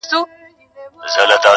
هسې کعبې له ځي ملک د کلي